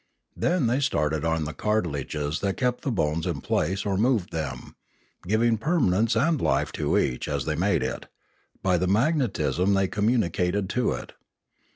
Then they started on the cartilages that kept the bones in place or moved them, giving permanence and life to each, as they made it, by the magnetism they com municated to it.